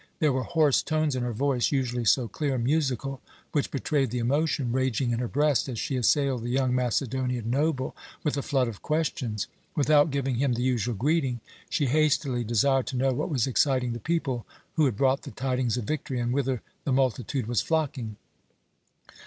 There were hoarse tones in her voice, usually so clear and musical, which betrayed the emotion raging in her breast as she assailed the young Macedonian noble with a flood of questions. Without giving him the usual greeting, she hastily desired to know what was exciting the people, who had brought the tidings of victory, and whither the multitude was flocking?